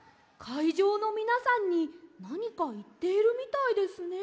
いじょうのみなさんになにかいっているみたいですね。